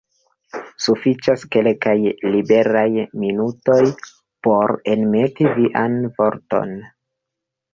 Sufiĉas kelkaj liberaj minutoj por enmeti vian vorton.